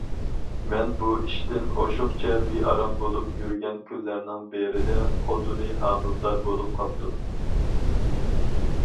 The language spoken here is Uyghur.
بۇ ئىشتىن ئوشۇقچە بىئارام بولۇپ يۈرگەن كۈنلەرنىڭ بىرىدە، خوتۇنى ھامىلىدار بولۇپ قاپتۇ.